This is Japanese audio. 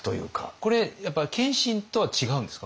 これやっぱ謙信とは違うんですか？